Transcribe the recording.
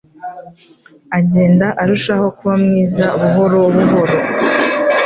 Agenda arushaho kuba mwiza buhoro buhoro